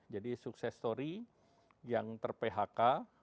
jadi sukses story yang ter phk